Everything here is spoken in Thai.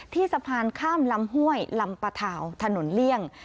สะพานข้ามลำห้วยลำปะทาวถนนเลี่ยง